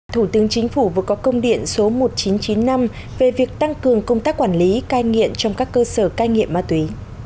thủ tướng chính phủ vừa có công điện số một nghìn chín trăm chín mươi năm về việc tăng cường công tác quản lý cai nghiện trong các cơ sở cai nghiện ma túy